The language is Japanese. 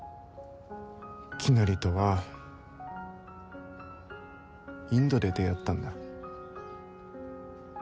きなりとはインドで出会ったんだ。